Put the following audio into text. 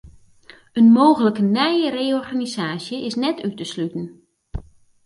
In mooglike nije reorganisaasje is net út te sluten.